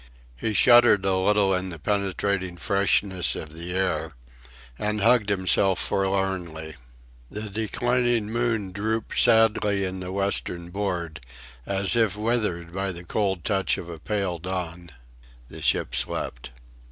He shuddered a little in the penetrating freshness of the air, and hugged himself forlornly. The declining moon drooped sadly in the western board as if withered by the cold touch of a pale dawn. The ship slept.